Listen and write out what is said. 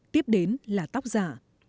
tiếp đến là tóc giả